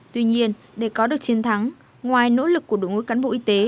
tuy nhiên để có được chiến thắng ngoài nỗ lực của đội ngũ cán bộ y tế